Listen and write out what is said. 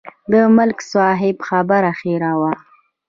د ملک صاحب خبره هېره وه.